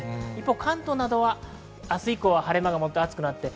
関東などは明日以降、晴れ間が戻って暑くなります。